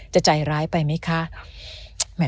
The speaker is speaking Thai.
จะใจร้ายไปไหมคะ